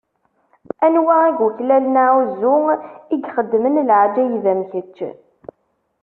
Anwa i yuklalen aɛuzzu, i ixeddmen leɛǧayeb am kečč?